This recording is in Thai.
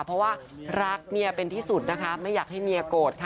เพราะว่ารักเมียเป็นที่สุดนะคะไม่อยากให้เมียโกรธค่ะ